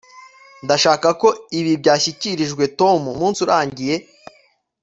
ndashaka ko ibi byashyikirijwe tom umunsi urangiye